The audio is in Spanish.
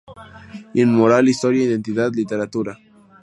In"-moral: Historia, identidad, literatura".